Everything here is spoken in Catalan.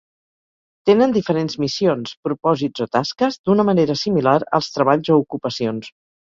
Tenen diferents missions, propòsits o tasques, d'una manera similar als treballs o ocupacions.